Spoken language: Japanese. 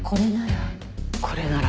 これなら。